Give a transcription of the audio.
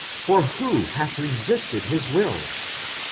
For who hath resisted his will?